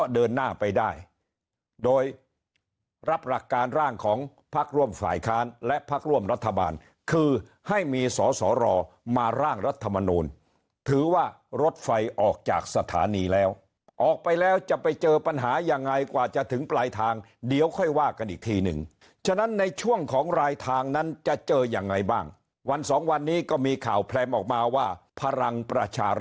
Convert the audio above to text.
เดินหน้าไปได้โดยรับหลักการร่างของพักร่วมฝ่ายค้านและพักร่วมรัฐบาลคือให้มีสอสอรอมาร่างรัฐมนูลถือว่ารถไฟออกจากสถานีแล้วออกไปแล้วจะไปเจอปัญหายังไงกว่าจะถึงปลายทางเดี๋ยวค่อยว่ากันอีกทีหนึ่งฉะนั้นในช่วงของรายทางนั้นจะเจอยังไงบ้างวันสองวันนี้ก็มีข่าวแพรมออกมาว่าพลังประชาร